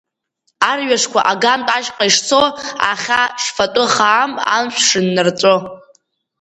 Арҩашқәа агантә ашьхаҟа ишцо, ахьа шфатәы хаам, амшә шыннарҵәо…